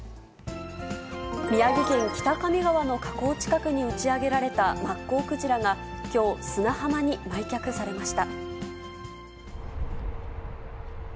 宮城県北上川の河口近くに打ち上げられたマッコウクジラがきょう、砂浜に埋却されました。